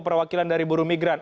perwakilan dari buru migran